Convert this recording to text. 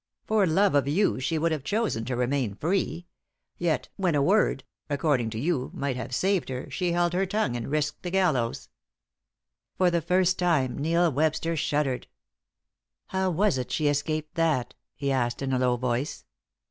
"For love of you she would have chosen to remain free; yet when a word according to you might have saved her, she held her tongue and risked the gallows." For the first time Neil Webster shuddered. "How was it she escaped that?" he asked, in a low voice.